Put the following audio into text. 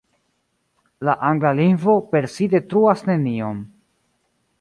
La angla lingvo per si detruas nenion.